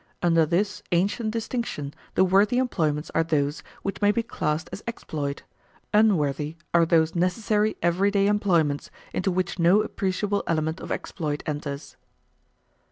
Under this ancient distinction the worthy employments are those which may be classed as exploit; unworthy are those necessary everyday employments into which no appreciable element of exploit enters.